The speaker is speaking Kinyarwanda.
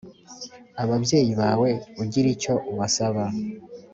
ababyeyi bawe ugira icyo ubasaba